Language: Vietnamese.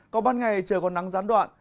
còn ban ngày trời còn nắng gián đoạn